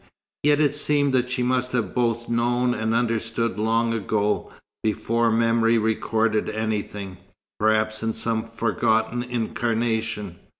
Yet it seemed that she must have both known and understood long ago, before memory recorded anything perhaps in some forgotten incarnation.